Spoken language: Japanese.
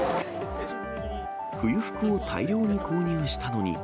冬服を大量に購入したのに。